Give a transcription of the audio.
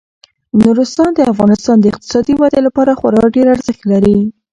نورستان د افغانستان د اقتصادي ودې لپاره خورا ډیر ارزښت لري.